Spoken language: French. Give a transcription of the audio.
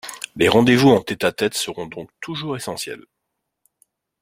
Les rendez-vous en tête à tête seront donc toujours essentiels.